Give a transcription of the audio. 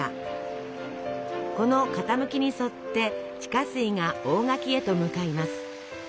この傾きに沿って地下水が大垣へと向かいます。